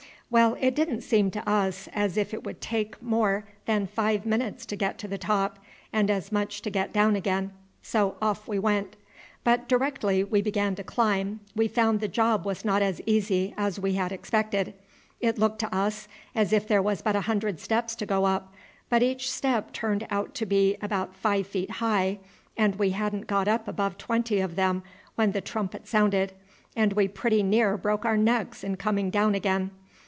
"Well, it didn't seem to us as if it would take more than five minutes to get to the top and as much to get down again, so off we went. But directly we began to climb we found the job was not as easy as we had expected. It looked to us as if there was but a hundred steps to go up; but each step turned out to be about five feet high, and we hadn't got up above twenty of them when the trumpet sounded, and we pretty near broke our necks in coming down again.